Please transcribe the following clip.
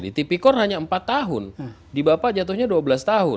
di tipikor hanya empat tahun di bapak jatuhnya dua belas tahun